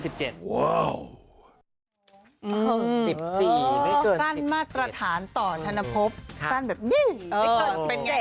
สั้นมาตรฐานต่อธนภพสั้นแบบนี้ไม่เกิน๑๗